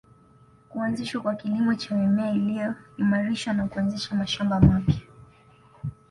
Kuanzishwa kwa kilimo cha mimea iliyoimarishwa na kuanzisha mashamba mapya